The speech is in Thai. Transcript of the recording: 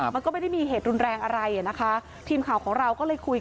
มันก็ไม่ได้มีเหตุรุนแรงอะไรอ่ะนะคะทีมข่าวของเราก็เลยคุย